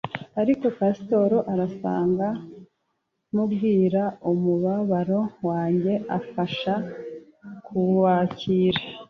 ariko Pasteur aransanga mubwira umubabaro wanjye amfasha kuwakira